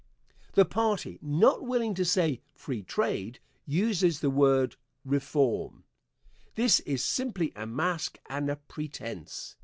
The party, not willing to say "free trade" uses the word "reform." This is simply a mask and a pretence.